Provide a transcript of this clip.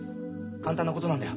簡単なことなんだよ